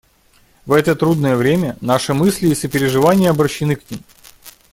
В это трудное время наши мысли и сопереживания обращены к ним.